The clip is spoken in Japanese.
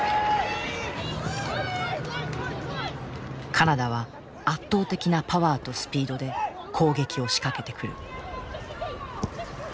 カナダは圧倒的なパワーとスピードで攻撃を仕掛けてくる。